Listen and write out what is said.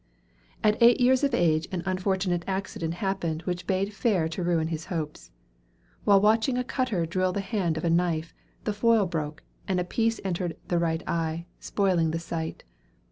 At eight years of age an unfortunate accident happened which bade fair to ruin his hopes. While watching a cutter drill the handle of a knife, the foil broke, and a piece entered the right eye, spoiling the sight.